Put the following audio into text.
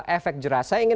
efek jeras saya ingin